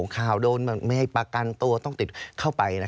ข่าวโดนไม่ให้ประกันตัวต้องติดเข้าไป